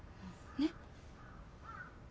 ねっ？